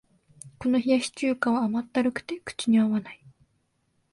この冷やし中華は甘ったるくて口に合わない